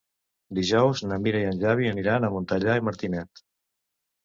Dijous na Mira i en Xavi aniran a Montellà i Martinet.